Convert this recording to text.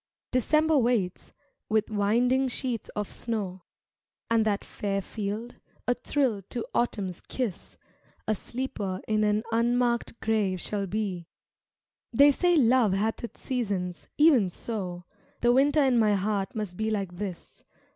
December waits, with winding sheets of snow, And that fair field, a thrill to Autumn's kiss, A sleeper in an unmarked grave shall be; They say love hath its seasons; even so The Winter in my heart must be like this.